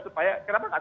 supaya kenapa tidak